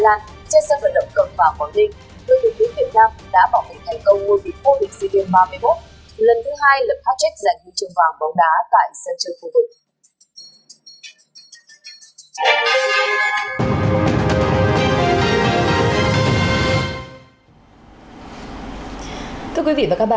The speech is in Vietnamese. lần thứ hai lập hat trick giành hướng trường vàng bóng đá tại sân chơi khu vực